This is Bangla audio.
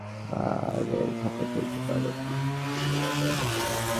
ব্যাপটিস্টের একজন ব্যাটসম্যানও রানের খাতা খুলতে পারেননি, অতিরিক্ত কোনো রানও আসেনি।